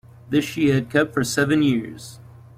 This she had kept for seven years.